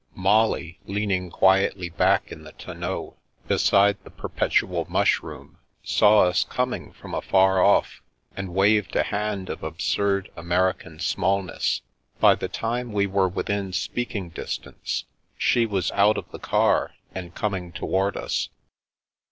Molly, leaning quietly back in the tonneau beside the Perpetual Mushroom, saw us coming from afar off, and waved a hand of absurd American small ness. By the time we were within speaking distance, she was out of the car and coming toward us.